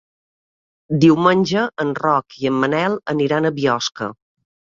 Diumenge en Roc i en Manel aniran a Biosca.